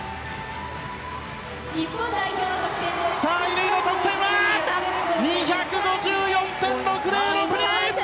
乾の得点は２５４．６０６２！